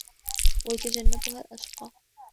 وَيَتَجَنَّبُهَا الأَشقَى